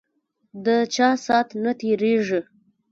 ده چا سات نه تیریږی